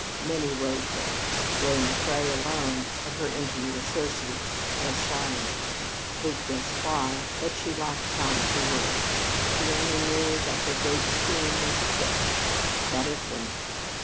Many wrote her; Ray McCrea, alone, of her intimate associates, was silent. Kate guessed why, but she lacked time to worry. She only knew that her great scheme was afoot that it went.